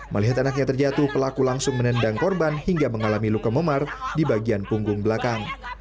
melihat anaknya terjatuh pelaku langsung menendang korban hingga mengalami luka memar di bagian punggung belakang